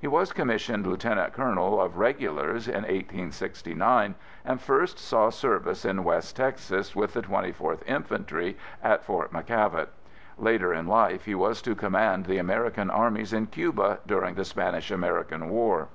He was commissioned lieutenant colonel of regulars in 1869 and first saw service in West Texas with the 24th Infantry at Fort McKavett. Later in life he was to command the American armies in Cuba during the Spanish American War.